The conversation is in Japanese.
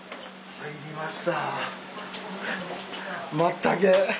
やりました。